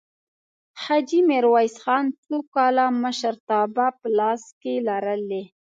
حاجي میرویس خان څو کاله مشرتابه په لاس کې لرلې؟